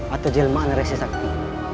atau jelma anarasi sakti